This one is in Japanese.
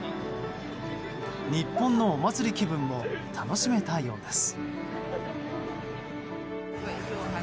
日本のお祭り気分も楽しめたようです。